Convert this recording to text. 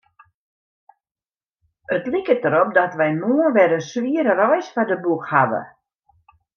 It liket derop dat wy moarn wer in swiere reis foar de boech hawwe.